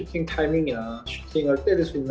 kita harus mendapatkan kemampuan